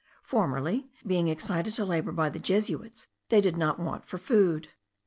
Formerly, being excited to labour by the Jesuits, they did not want for food.